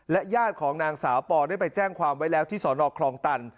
ญาติของนางสาวปอได้ไปแจ้งความไว้แล้วที่สนคลองตัน